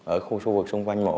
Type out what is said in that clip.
ở khu xung quanh mộ